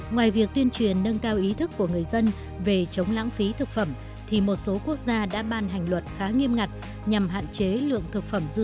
ngoài việc tuyên truyền nâng cao ý thức của người dân về chống lãng phí thực phẩm thì một số quốc gia đã ban hành luật khá nghiêm ngặt nhằm hạn chế lượng thực phẩm dưa